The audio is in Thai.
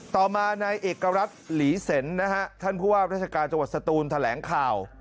ต่อมานายเอกรัฐหลีเซ็นนะฮะท่านผู้ว่าราชการจังหวัดสตูนแถลงข่าว